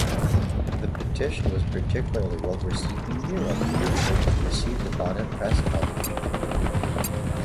The petition was particularly well received in Europe, where it received abundant press coverage.